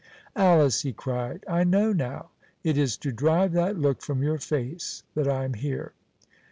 "Alice," he cried, "I know now. It is to drive that look from your face that I am here."